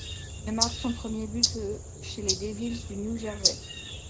Il marque son premier but le chez les Devils du New Jersey.